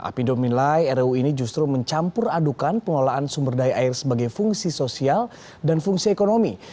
apindo menilai ruu ini justru mencampur adukan pengelolaan sumber daya air sebagai fungsi sosial dan fungsi ekonomi